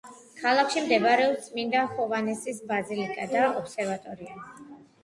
ქალაქში მდებარეობს წმინდა ჰოვანესის ბაზილიკა და ობსერვატორია.